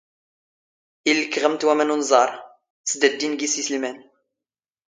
ⵉⵍⵍ ⴽⵖⵎⵏⵜ ⵡⴰⵎⴰⵏ ⵓⵏⵥⴰⵕ, ⵙⴷⴰⴷⴷⵉⵏ ⴳⵉⵙ ⵉⵙⵍⵎⴰⵏ.